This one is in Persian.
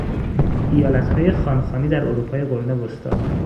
ایالت های خان خانی در اروپای قرون وسطی